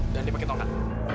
dan dia pakai tongkat